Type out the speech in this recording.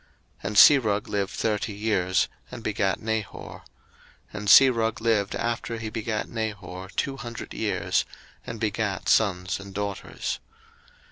01:011:022 And Serug lived thirty years, and begat Nahor: 01:011:023 And Serug lived after he begat Nahor two hundred years, and begat sons and daughters.